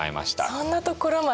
そんなところまで。